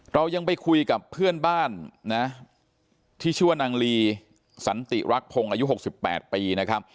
เรายังไปคุยกับเพื่อนบ้านที่ชั่วนางลีสันติรักพงศ์อายุ๖๘ปี